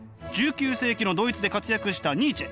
１９世紀のドイツで活躍したニーチェ。